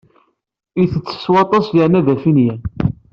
Itett s waṭas yerna d afinyan.